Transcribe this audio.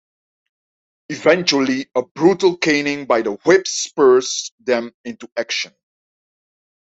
Eventually, a brutal caning by the Whips spurs them to action.